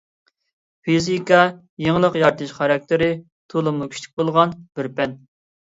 فىزىكا — يېڭىلىق يارىتىش خاراكتېرى تولىمۇ كۈچلۈك بولغان بىر پەن.